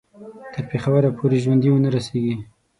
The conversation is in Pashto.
تر پېښوره پوري ژوندي ونه رسیږي.